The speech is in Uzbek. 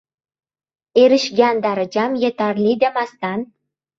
Erishgan darajam yetarli demasdan